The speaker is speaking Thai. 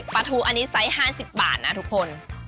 ปลาทูอันนี้ไซส์๕๐บาทนะทุกคน